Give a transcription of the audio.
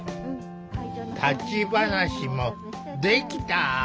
立ち話もできた。